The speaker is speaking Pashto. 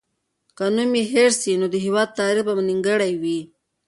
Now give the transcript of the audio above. که نوم یې هېر سي، نو د هېواد تاریخ به نیمګړی وي.